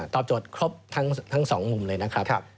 ตอบโจทย์ครบทั้ง๒มุมเลยนะครับ